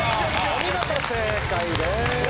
お見事正解です。